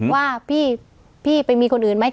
ว่าพี่ไปมีคนอื่นไหม